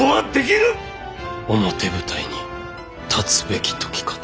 表舞台に立つべき時かと。